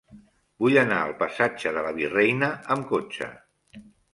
Vull anar al passatge de la Virreina amb cotxe.